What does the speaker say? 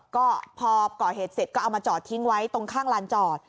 ก็พอก่อเหตุเสร็จก็เอามาจอดทิ้งไว้ตรงข้างลานจอด